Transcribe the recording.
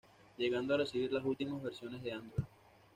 Llegando a recibir las últimas versiones de Android.